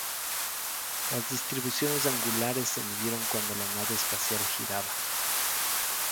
Las distribuciones angulares se midieron cuando la nave espacial giraba.